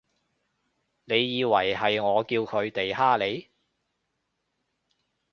你以為係我叫佢哋㗇你？